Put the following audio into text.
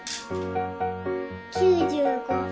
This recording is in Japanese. ９５。